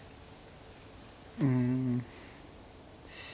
うん。